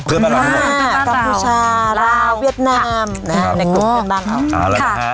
เพื่อนบ้านเราทั้งหมดกัมพูชาลาวเวียดนามในกลุ่มเป็นบ้านเรา